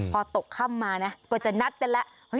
พอตกค่ำมานะก็จะนัดกันแล้ว